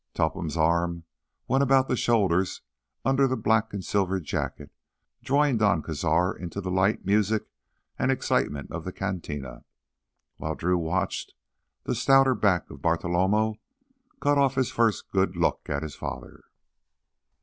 Topham's arm went about the shoulders under the black and silver jacket, drawing Don Cazar into the light, music, and excitement of the cantina. While Drew watched, the stouter back of Bartolomé cut off his first good look at his father.